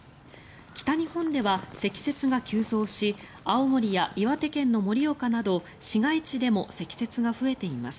北日本では積雪が急増し青森や岩手県の盛岡など市街地でも積雪が増えています。